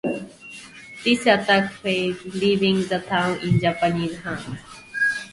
This attack failed, leaving the town in Japanese hands.